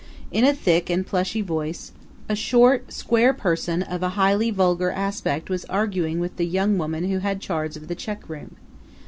In a thick and plushy voice a short square person of a highly vulgar aspect was arguing with the young woman who had charge of the check room.